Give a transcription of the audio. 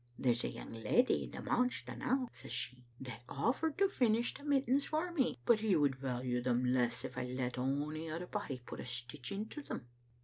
There's a young lady in the manse the now,' says she, 'that offered to finish the mittens for me, but he would value them less if I let ony other body put a stitch into them.